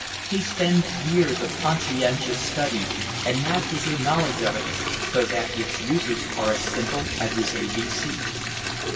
He spends years of conscientious study and masters the knowledge of it so that its uses are as simple as his A B C's.